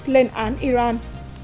lên án iran